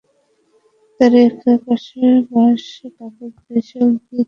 তার একপাশে বাঁশ, কাপড়, ত্রিপল দিয়ে দুই হাজার ফুটের অস্থায়ী আস্তানা।